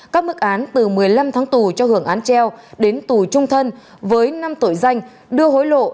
các mức án từ một mươi năm tháng tù cho hưởng án treo đến tù trung thân với năm tội danh đưa hối lộ